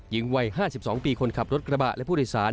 หญิงวัย๕๒ปีคนขับรถกระบะและผู้โดยสาร